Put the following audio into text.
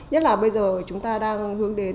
nhất là bây giờ chúng ta đang hướng đến